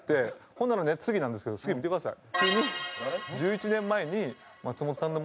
ほんならね次なんですけど次見てください。